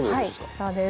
そうです。